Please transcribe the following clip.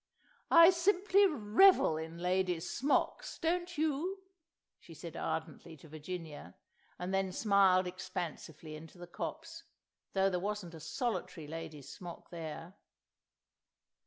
"I simply revel in Lady's Smocks, don't you?" she said ardently to Virginia, and then smiled expansively into the copse, though there wasn't a solitary Lady's Smock there.